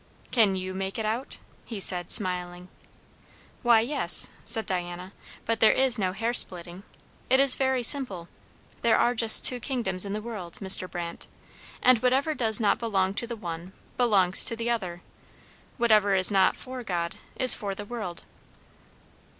"Can you make it out?" he said, smiling. "Why, yes!" said Diana; "but there is no hair splitting. It is very simple. There are just two kingdoms in the world, Mr. Brandt; and whatever does not belong to the one, belongs to the other. Whatever is not for God, is for the world."